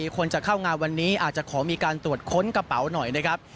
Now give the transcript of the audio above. คนจะเข้างานวันนี้อาจจะขอมีการตรวจค้นกระเป๋าหน่อยนะครับ